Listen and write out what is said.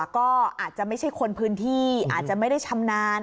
ก็อาจจะไม่ใช่คนพื้นที่อาจจะไม่ได้ชำนาญ